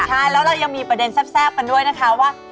ใช่แล้วเรายังมีประเด็นแซ่บกันด้วยนะคะว่า